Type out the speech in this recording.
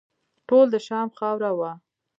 ټول د شام خاوره وه.